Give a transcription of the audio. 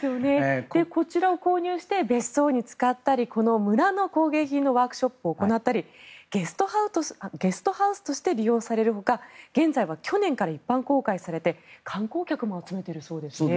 こちらを購入して別荘に使ったりこの村の工芸品のワークショップを行ったりゲストハウスとして利用されるほか現在は去年から一般公開されて観光客も集めているそうですね。